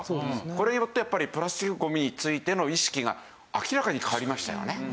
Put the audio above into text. これによってやっぱりプラスチックゴミについての意識が明らかに変わりましたよね。